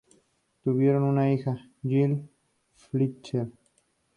Tuvieron una hija, Jill Fletcher.